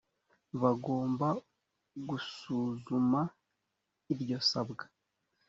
bagomba gusuzuma iryo sabwa